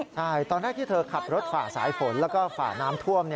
ใช่ตอนแรกที่เธอขับรถฝ่าสายฝนแล้วก็ฝ่าน้ำท่วม